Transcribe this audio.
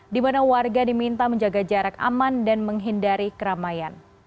di mana warga diminta menjaga jarak aman dan menghindari keramaian